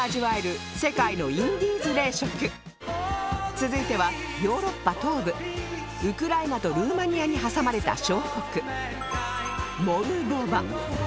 続いてはヨーロッパ東部ウクライナとルーマニアに挟まれた小国モルドバ